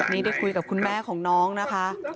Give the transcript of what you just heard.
นี่ได้คุยกับคุณแม่ของน้องนะคะ